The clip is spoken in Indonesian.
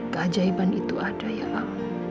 keajaiban itu ada ya allah